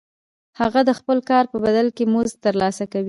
هغه د خپل کار په بدل کې مزد ترلاسه کوي